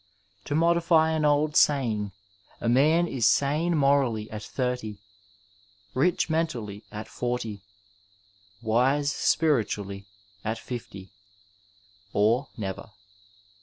To modify an old saying, a man is sane morally at thirty, rich mentally at forty, wise spiritually at fifty — or never.